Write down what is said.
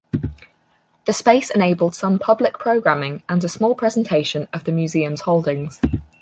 The space enabled some public programming and a small presentation of the museum's holdings.